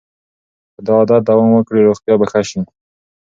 که دا عادت دوام وکړي روغتیا به ښه شي.